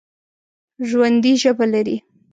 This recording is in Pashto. ژوندي ژبه لري